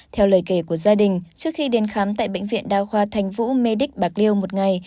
theo lời kể của gia đình trước khi đến khám tại bệnh viện đa khoa thành vũ mê đích bạc liêu một ngày